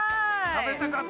◆食べたかった。